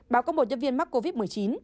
báo có một nhân viên mắc covid một mươi chín